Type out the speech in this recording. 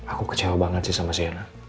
aku kecewa banget sih sama si ena